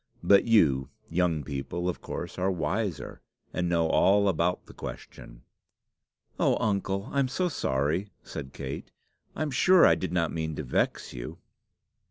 But you, young people, of course, are wiser, and know all about the question." "Oh, uncle! I'm so sorry!" said Kate. "I'm sure I did not mean to vex you."